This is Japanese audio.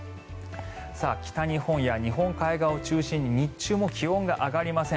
北日本や日本海側を中心に日中も気温が上がりません。